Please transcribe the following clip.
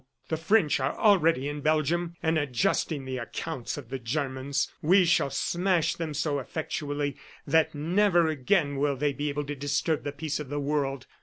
The French are already in Belgium and adjusting the accounts of the Germans. We shall smash them so effectually that never again will they be able to disturb the peace of the world.